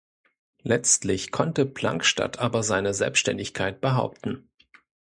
Letztlich konnte Plankstadt aber seine Selbständigkeit behaupten.